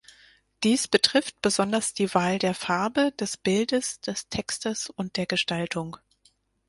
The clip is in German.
Dies betrifft besonders die Wahl der Farbe, des Bildes, des Textes und der Gestaltung.